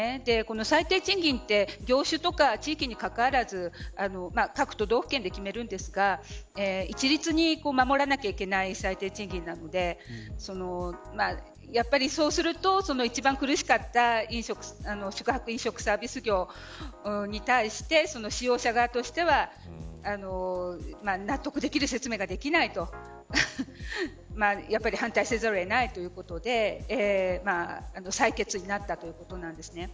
最低賃金って業種とか地域にかかわらず各都道府県で決めるんですが一律に守らなければいけない最低賃金なのでそうすると一番苦しかった宿泊・飲食サービス業に対して使用者側としては納得できる説明がないと反対せざるを得ないということで採決になったということなんです。